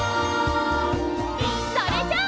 それじゃあ！